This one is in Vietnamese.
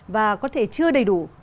và có thể chưa đầy đủ